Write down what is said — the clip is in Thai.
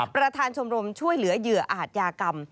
ประธานชมรมช่วยเหลือเหยื่ออาจยากรรม